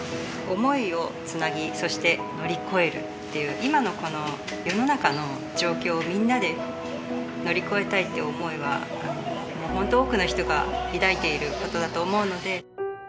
想いをつなぎ、そして乗り越えるっていう、今のこの世の中の状況をみんなで乗り越えたいって想いは、本当多くの人が抱いていることだと思うので。